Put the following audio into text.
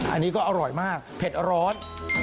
อันนี้ก็อร่อยมากเผ็ดร้อน